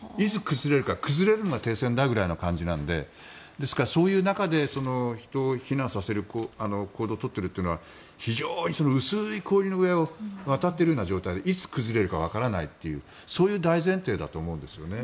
崩れるのが停戦だくらいの感じなのでですからそういう中で人を避難させる行動を取っているのは非常に薄い氷の上を渡っている状態でいつ崩れるかわからないというそういう大前提だと思うんですよね。